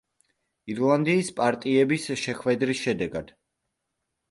ირლანდიის პარტიების შეხვედრის შედეგად.